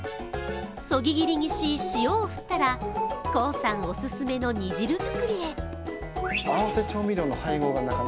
そぎ切りにし、塩を振ったら、コウさんお勧めの煮汁作りへ。